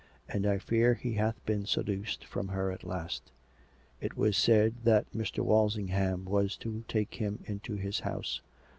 And I fear he hath been seduced from her at last. It was said that Mr. Wal singham was to take him into his house.